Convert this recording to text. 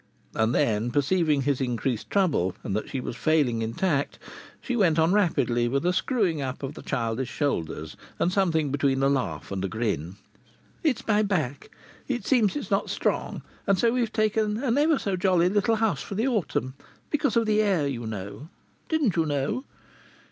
And then, perceiving his increased trouble, and that she was failing in tact, she went on rapidly, with a screwing up of the childish shoulders and something between a laugh and a grin: "It's my back. It seems it's not strong. And so we've taken an ever so jolly little house for the autumn, because of the air, you know. Didn't you know?"